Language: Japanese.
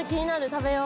食べよう！